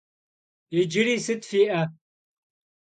Yicıri sıt fi'e?